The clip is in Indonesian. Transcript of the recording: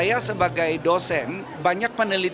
saya sebagai dosen banyak penelitian saya tentang penduduk indonesia